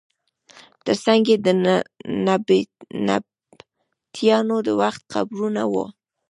تر څنګ یې د نبطیانو د وخت قبرونه وو.